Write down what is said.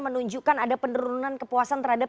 menunjukkan ada penurunan kepuasan terhadap